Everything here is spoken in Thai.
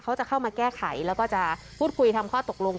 เขาจะเข้ามาแก้ไขแล้วก็จะพูดคุยทำข้อตกลง